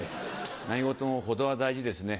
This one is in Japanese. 何事も程は大事ですね